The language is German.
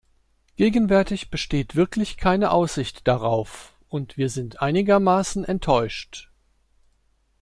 Gegenwärtig besteht wirklich keine Aussicht darauf, und wir sind einigermaßen enttäuscht.